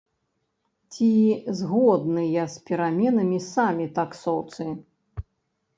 Ці згодныя з пераменамі самі таксоўцы?